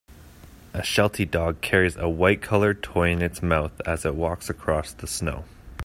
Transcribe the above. A Sheltie dog carries a whitecolored toy in its mouth as it walks across the snow.